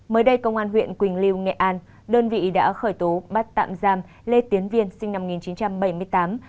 mới đây công an huyện quỳnh liêu nghệ an đơn vị đã khởi tố bắt tạm giam lê tiến viên sinh năm một nghìn chín trăm bảy mươi tám